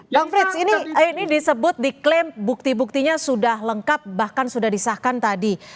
bang frits ini disebut diklaim bukti buktinya sudah lengkap bahkan sudah disahkan tadi